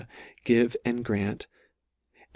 give and grant," &c.